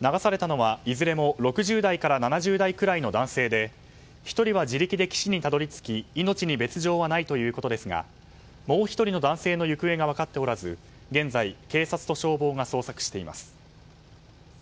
流されたのは、いずれも６０代から７０代くらいの男性で１人は自力で岸にたどり着き命に別条はないということですがもう１人の男性の行方が分かっておらず現在、警察と消防が捜索しています。